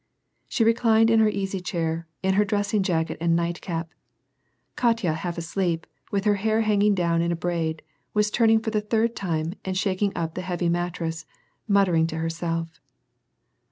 She reclined in her easy chair, in her dressing jacket and night cap. Katya, half asleep, and with her hair hanging down in a braid, was turning for the third time and shaking up the heavy mat tress, muttering to herself.